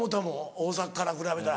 大阪から比べたら。